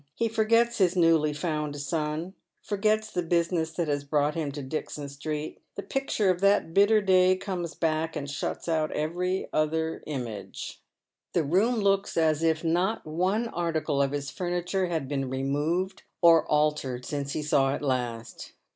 He forgets his newly found son — forgets the business that has brought him to Dixon Street. The picture of that bitter day comes back, and shuts out every other image. The room looks as if not one article of its furniture had been removed or altered since he saw it last.